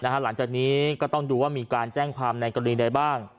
หลังจากนี้ก็ต้องดูว่ามีการแจ้งความในกรณีใดบ้าง